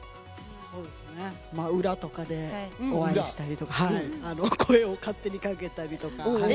そうですね裏とかでお会いしたりとか声を勝手に掛けたりとか。